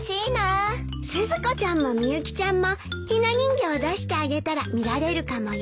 スズコちゃんもみゆきちゃんもひな人形を出してあげたら見られるかもよ。